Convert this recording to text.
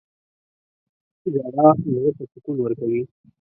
• ژړا زړه ته سکون ورکوي.